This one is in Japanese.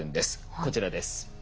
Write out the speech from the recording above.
こちらです。